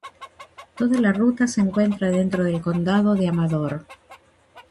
Toda la ruta se encuentra dentro del condado de Amador.